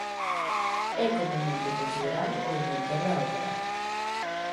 É comunmente considerado o inventor da ópera.